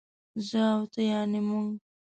زه او ته يعنې موږ